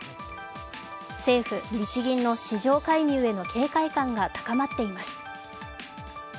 政府・日銀の市場介入への警戒感が高まっています。